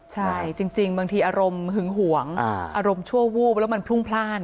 ใช่จริงบางทีอารมณ์หึงหวงอารมณ์ชั่ววูบแล้วมันพรุ่งพลาด